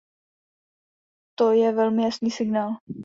To je velmi jasný signál.